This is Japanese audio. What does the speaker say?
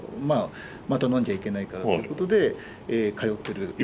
また飲んじゃいけないからということで通ってる。